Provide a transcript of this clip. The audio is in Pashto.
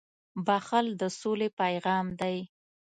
• بښل د سولې پیغام دی.